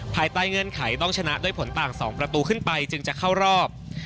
ภายใต้เงื่อนไขต้องชนะด้วยผลต่าง๒ประตูขึ้นไปจึงจะเข้ารอบ